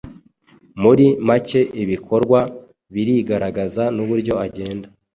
muri make ibikorwa birigaragaza n’uburyo agenda